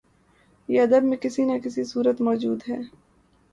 یہ ادب میں کسی نہ کسی صورت موجود رہی